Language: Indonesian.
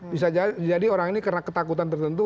bisa jadi orang ini karena ketakutan tertentu